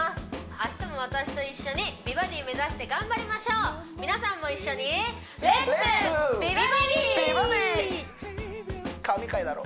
明日も私と一緒に美バディ目指して頑張りましょう皆さんも一緒に「レッツ！美バディ」神回だろ